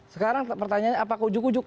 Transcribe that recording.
sekarang pertanyaannya apakah ujuk ujuk